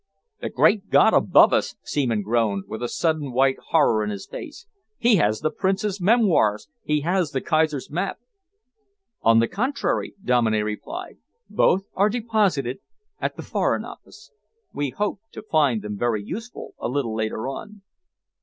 "The great God above us!" Seaman groaned, with a sudden white horror in his face. "He has the Prince's memoirs! He has the Kaiser's map!" "On the contrary," Dominey replied, "both are deposited at the Foreign Office. We hope to find them very useful a little later on."